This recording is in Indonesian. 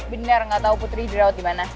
bener gak tau putri diraud dimana